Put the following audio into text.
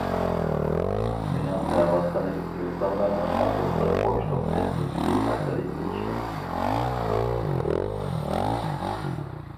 مېنىڭ دەۋاتقىنىم ئىنسانلارنىڭ ئاساسلىق بوشلۇق تېخنىكىسى ھەققىدىكى ئىشلار.